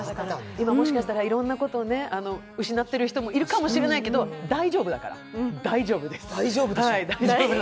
今、もしかしたらいろんなことを失ってる人もいるかもしれないけど大丈夫だから、大丈夫。